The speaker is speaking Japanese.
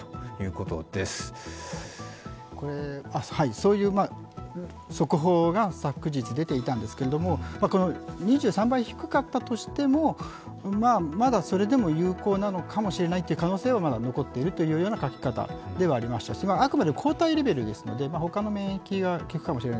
そういう速報が昨日出ていたんですけれども、２３倍低かったとしても、まだそれでも有効なのかもしれないという可能性はまだ残っているような書き方ではありましたし、あくまで抗体レベルですのでほかの免疫は効くかもしれない。